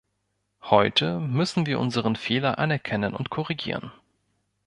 Heute müssen wir unseren Fehler anerkennen und korrigieren.